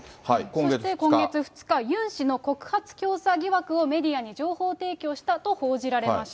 そして今月２日、ユン氏の告発教唆疑惑をメディアに情報提供したと報じられました。